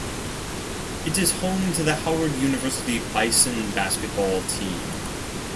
It is home to the Howard University Bison basketball team.